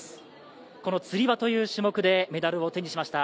つり輪という種目でメダルを手にしました。